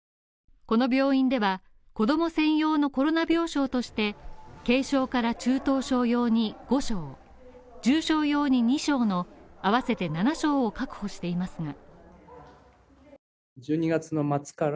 この病院では、子供専用のコロナ病床として、軽症から中等症用に５床重症用に２床の合わせて７床を確保しています。